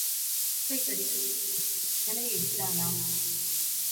உப்பைக் கடித்துக் கொண்டு உரலை இடித்தானாம்.